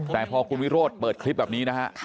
แต่พอคุณวิโรธเปิดคลิปแบบนี้นะฮะ